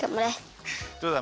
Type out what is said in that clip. どうだ？